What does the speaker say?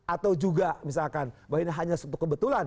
atau juga misalkan bahwa ini hanya satu kebetulan